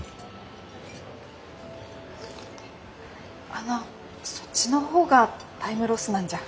あのそっちの方がタイムロスなんじゃ。